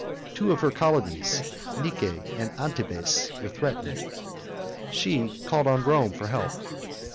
Two of her colonies, Nice and Antibes, were threatened. She called on Rome for help.